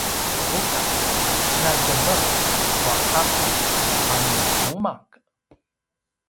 buka: na djemet tua gakku a nu umaq?